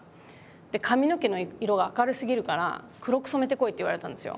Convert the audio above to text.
で髪の毛の色が明るすぎるから黒く染めてこいって言われたんですよ。